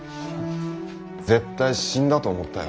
絶対死んだと思ったよ。